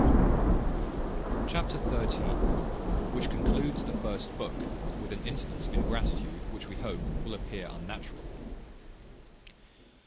Chapter xiii. Which concludes the first book; with an instance of ingratitude, which, we hope, will appear unnatural.